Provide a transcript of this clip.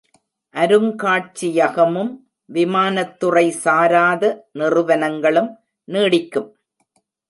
அருங்காட்சியகமும், விமானத்துறை சாராத நிறுவனங்களும் நீடிக்கும்.